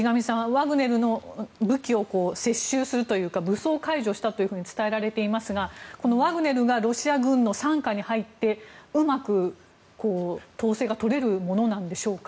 ワグネルの武器を接収するというか武装解除したと伝えられていますがこのワグネルがロシア軍の傘下に入ってうまく統制が取れるものでしょうか。